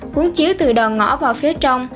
cuốn chiếu từ đòn ngõ vào phía trong